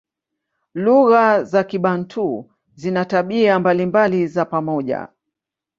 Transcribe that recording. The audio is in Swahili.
Lugha za Kibantu zina tabia mbalimbali za pamoja.